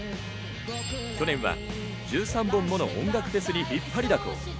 去年は１３本もの音楽フェスに引っ張りだこ。